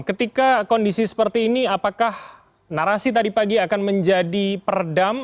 ketika kondisi seperti ini apakah narasi tadi pagi akan menjadi peredam